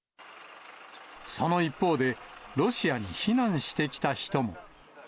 その一方で、ロシアに避難してきた人も。